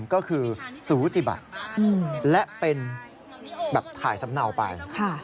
ก็คือสูติบัติและเป็นแบบถ่ายสำเนาไป